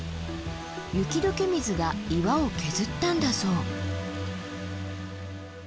雪解け水が岩を削ったんだそう。